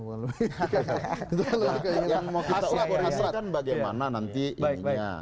yang kita ucapkan bagaimana nanti ininya